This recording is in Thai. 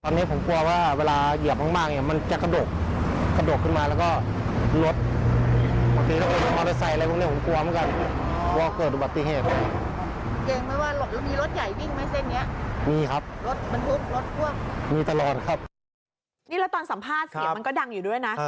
นี่แล้วตอนสัมภาษณ์เสียงมันก็ดังอยู่ด้วยนะ